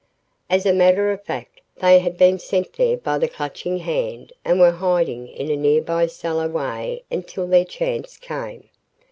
As a matter of fact, they had been sent there by the Clutching Hand and were hiding in a nearby cellar way until their chance came.